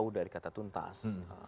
jauh dari kata tuntas